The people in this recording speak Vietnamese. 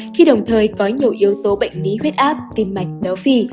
khi đồng thời có nhiều yếu tố bệnh lý huyết áp tim mạch béo phì